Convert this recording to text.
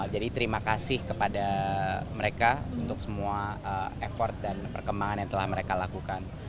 jadi terima kasih kepada mereka untuk semua effort dan perkembangan yang telah mereka lakukan